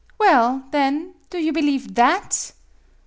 " Well, then, do you believe that?"